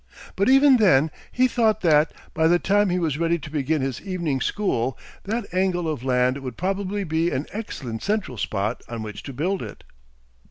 But even then he thought that, by the time he was ready to begin his evening school, that angle of land would probably be an excellent central spot on which to build it.